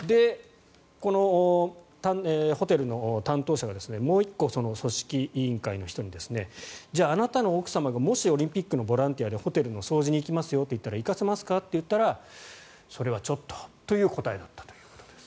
このホテルの担当者がもう１個、組織委員会の人にじゃあ、あなたの奥様がもしオリンピックのボランティアでホテルの掃除に行きますよといったら行かせますか？と言ったらそれはちょっとという答えだったということです。